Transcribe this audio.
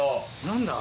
何だ？